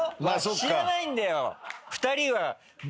知らないんだよ。